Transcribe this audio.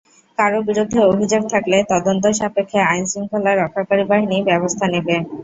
কারও বিরুদ্ধে অভিযোগ থাকলে তদন্ত সাপেক্ষে আইনশৃঙ্খলা রক্ষাকারী বাহিনী ব্যবস্থা নেবে।